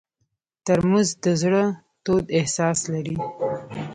ترموز د زړه تود احساس لري.